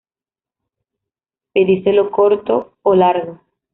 Pedicelo corto o largo.